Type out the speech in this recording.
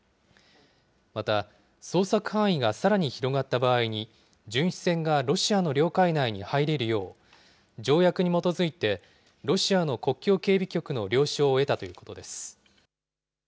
また、捜索範囲がさらに広がった場合に、巡視船がロシアの領海内に入れるよう、条約に基づいて、ロシアの国境警備局の了承を得たということです。